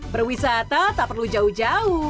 berwisata tak perlu jauh jauh